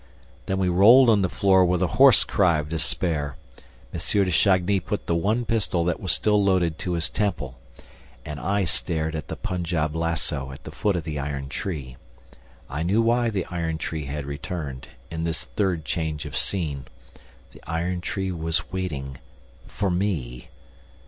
Then we rolled on the floor with a hoarse cry of despair. M. de Chagny put the one pistol that was still loaded to his temple; and I stared at the Punjab lasso at the foot of the iron tree. I knew why the iron tree had returned, in this third change of scene! ... The iron tree was waiting for me!